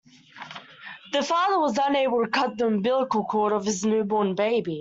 The father was unable to cut the umbilical cord of his newborn baby.